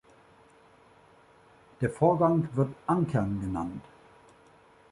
Der Vorgang wird "ankern" genannt.